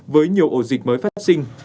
với nhiều ổ dịch mới phát sinh